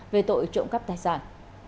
về tội trộm cắp tài sản